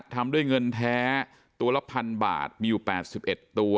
ทำด้วยเงินแท้ตัวละพันบาทมีอยู่แปดสิบเอ็ดตัว